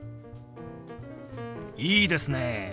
いいですね！